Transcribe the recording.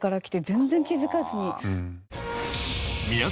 全然気づかずに。